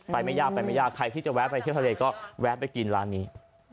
ไม่ยากไปไม่ยากใครที่จะแวะไปเที่ยวทะเลก็แวะไปกินร้านนี้